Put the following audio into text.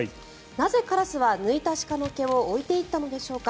なぜカラスは、抜いた鹿の毛を置いていったのでしょうか。